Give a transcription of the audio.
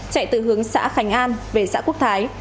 chạy từ hướng xã khánh an về xã quốc thái